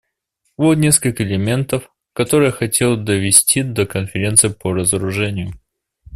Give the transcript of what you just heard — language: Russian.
Вот несколько элементов, которые я хотел довести до Конференции по разоружению.